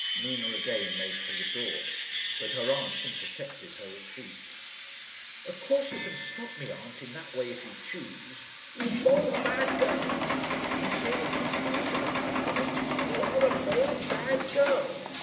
Nina again made for the door, but her aunt intercepted her retreat. "Of course you can stop me, aunt, in that way if you choose." "You bold, bad girl!" "You may say what you please about myself." "You are a bold, bad girl!"